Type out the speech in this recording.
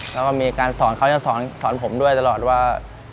แล้วก็มีการสอนเขาจะสอนผมด้วยตลอดว่า